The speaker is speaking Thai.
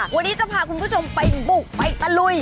วันนี้จะพาคุณผู้ชมไปบุกไปตะลุย